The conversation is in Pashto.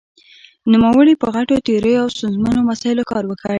نومړې په غټو تیوریو او ستونزمنو مسايلو کار وکړ.